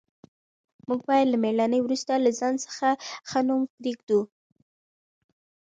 موږ باید له مړینې وروسته له ځان څخه ښه نوم پرېږدو.